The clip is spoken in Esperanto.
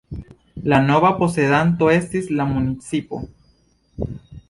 La nova posedanto estis la municipo.